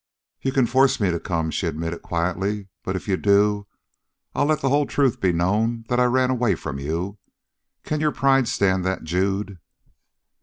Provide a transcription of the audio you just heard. "You can force me to come," she admitted quietly, "but if you do, I'll let the whole truth be known that I ran away from you. Can your pride stand that, Jude?"